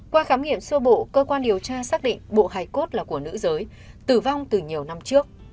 qua khám nghiệm sơ bộ cơ quan điều tra xác định bộ hài cốt là của nữ giới tử vong từ nhiều năm trước